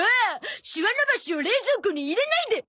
シワ伸ばしを冷蔵庫に入れないで！